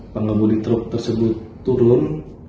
pengemudi truk tersebut turun